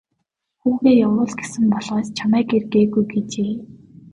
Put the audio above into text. Хүүгээ явуул гэсэн болохоос чамайг ир гээгүй гэжээ.